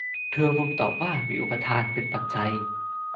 เธอพึงตอบว่า มีอุปาทานเป็นปัจจัย